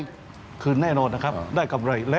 ได้คืนน่ายนอนนะครับได้กำไร